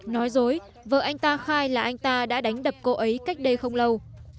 nói dối vợ anh ta khai là anh ta đã đánh đập cô ấy cách đây không lâu